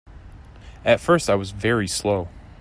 At first I was very slow.